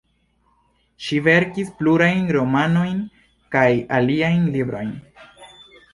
Ŝi verkis plurajn romanojn kaj aliajn librojn.